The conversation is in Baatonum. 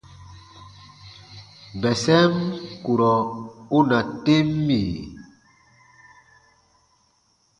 Bɛsɛm kurɔ u na tem mì ?: